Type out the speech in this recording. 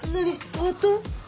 終わった？